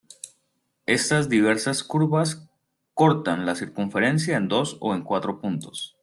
Estas diversas curvas cortan ls circunferencia en dos o en cuatro puntos.